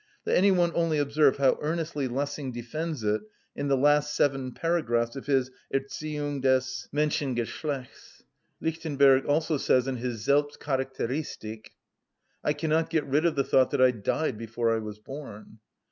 Let any one only observe how earnestly Lessing defends it in the last seven paragraphs of his "Erziehung des Menschengeschlechts." Lichtenberg also says in his "Selbstcharacteristik:" "I cannot get rid of the thought that I died before I was born."